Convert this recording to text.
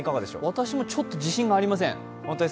私もちょっと自信がありません。